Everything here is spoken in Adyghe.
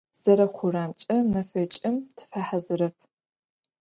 Зэрэхъурэмкӏэ, мэфэкӏым тыфэхьазырэп.